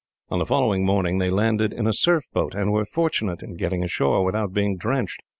On the following morning, they landed in a surf boat, and were fortunate in getting ashore without being drenched.